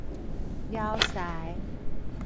枵饞